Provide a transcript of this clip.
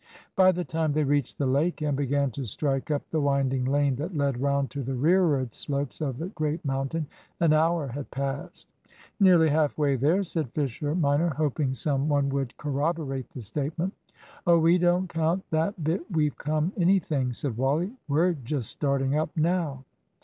By the time they reached the lake, and began to strike up the winding lane that led round to the rearward slopes of the great mountain, an hour had passed. "Nearly half way there," said Fisher minor, hoping some one would corroborate the statement. "Oh, we don't count that bit we've come anything," said Wally. "We're just starting up now."